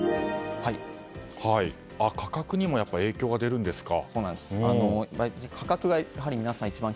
価格にも影響が出るんですか？